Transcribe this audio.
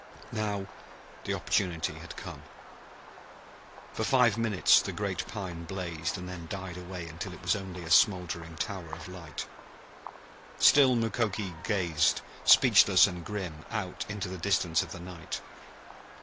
Now the opportunity had come. For five minutes the great pine blazed, and then died away until it was only a smoldering tower of light. Still Mukoki gazed, speechless and grim, out into the distance of the night.